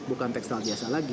bukan tekstil biasa lagi